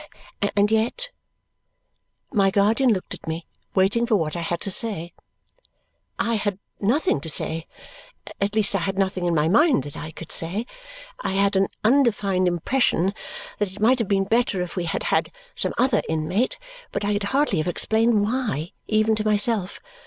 And yet My guardian looked at me, waiting for what I had to say. I had nothing to say. At least I had nothing in my mind that I could say. I had an undefined impression that it might have been better if we had had some other inmate, but I could hardly have explained why even to myself.